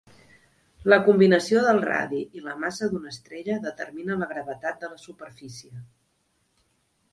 La combinació del radi i la massa d'una estrella determina la gravetat de la superfície.